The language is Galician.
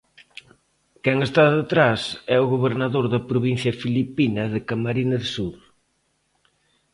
Quen está detrás é o gobernador da provincia filipina de Camarines Sur.